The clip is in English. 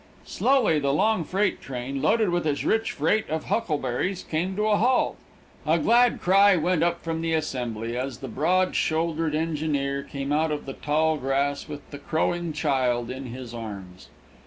Slowly the long freight train, loaded with its rich freight of huckleberries, came to a halt. A glad cry went up from the assembly as the broad shouldered engineer came out of the tall grass with the crowing child in his arms.